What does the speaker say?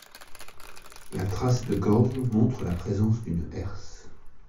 La trace de gorge montre la présence d’une herse.